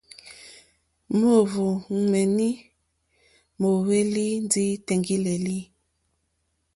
Móǒhwò ŋméní móhwélì ndí tèŋɡí!lélí.